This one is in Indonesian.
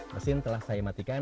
mesin telah saya matikan